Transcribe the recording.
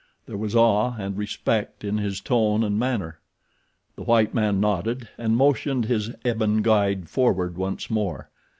There was awe and respect in his tone and manner. The white man nodded and motioned his ebon guide forward once more.